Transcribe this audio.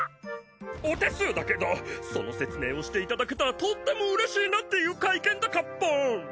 お手数だけどその説明をしていただけたらとってもうれしいなっていう会見だカッポーン！